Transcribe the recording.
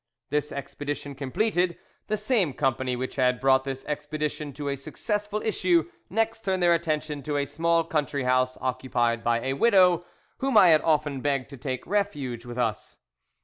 This expedition completed, the same company which had brought this expedition to a successful issue next turned their attention to a small country house occupied by a widow, whom I had often begged to take refuge with us.